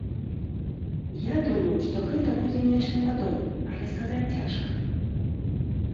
Я думаю, што гэта будзе нечым падобна, але сказаць цяжка.